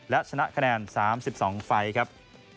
และชนะคะแนน๓๒ไฟล์ครับ